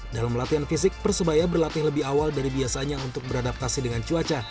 dalam latihan fisik persebaya berlatih lebih awal dari biasanya untuk beradaptasi dengan cuaca